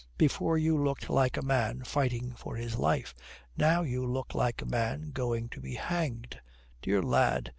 "Before you looked like a man fighting for his life. Now you look like a man going to be hanged. Dear lad!